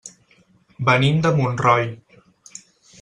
Venim de Montroi.